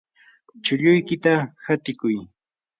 chulluykita hatikuy.